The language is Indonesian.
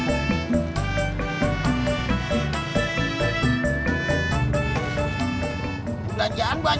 tapi kita beli bahan bahan